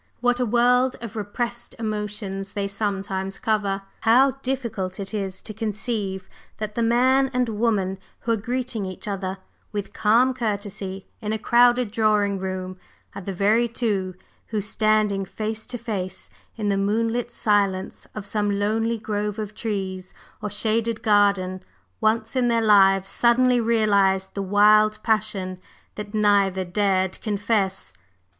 What a world of repressed emotions they sometimes cover! How difficult it is to conceive that the man and woman who are greeting each other with calm courtesy in a crowded drawing room are the very two, who, standing face to face in the moonlit silence of some lonely grove of trees or shaded garden, once in their lives suddenly realized the wild passion that neither dared confess!